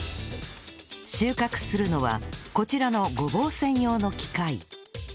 収穫するのはこちらのごぼう専用の機械